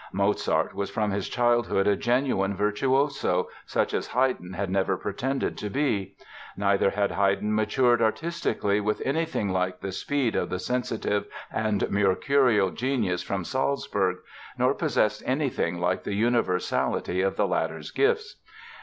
Mozart was from his childhood a genuine virtuoso, such as Haydn had never pretended to be. Neither had Haydn matured artistically with anything like the speed of the sensitive and mercurial genius from Salzburg, nor possessed anything like the universality of the latter's gifts.